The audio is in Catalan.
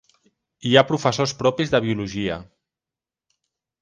Hi ha professors propis de Biologia